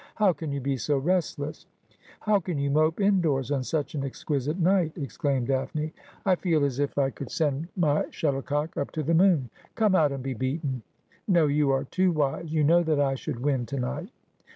How can you be so restless ?'' How can you mope indoors on such an exquisite night ?' exclaimed Daphne. ' I feel as if I could send my shuttlecock up to the moon. Come out and be beaten ! No ; you are too wise. You know that I should win to night.'